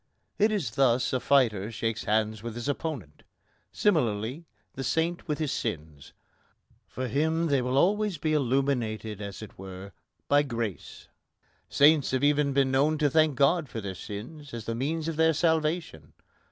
It is thus a fighter shakes hands with his opponent. Similarly, the saint with his sins. For him they will always be illuminated, as it were, by grace. Saints have even been known to thank God for their sins as the means of their salvation.